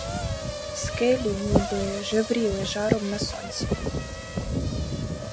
Скелі ніби жевріли жаром на сонці.